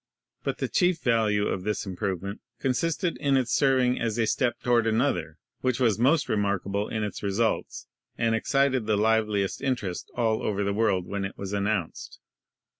But the chief value of this improvement consisted in its serving as a step toward another, which was most remarkable in its re sults and excited the liveliest interest all over the world when it was announced.